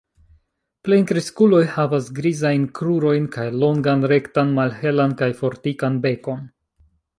Plenkreskuloj havas grizajn krurojn kaj longan, rektan, malhelan kaj fortikan bekon.